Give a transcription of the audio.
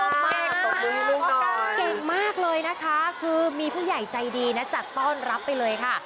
โอกาเต้งเก่งมากเลยค่ะคือมีผู้ใหญ่ใจดีจะต้อนรับไปเลยค่ะ